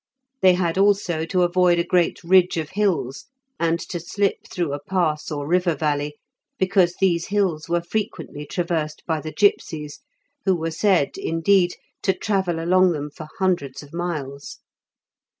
They had also to avoid a great ridge of hills, and to slip through a pass or river valley, because these hills were frequently traversed by the gipsies who were said, indeed, to travel along them for hundreds of miles.